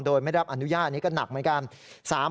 โดยไม่รับอนุญาตนี้ก็หนักเหมือนกัน